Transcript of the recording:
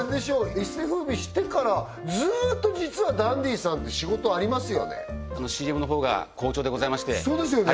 一世風靡してからずっと実はダンディさんって仕事ありますよねＣＭの方が好調でございましてそうですよね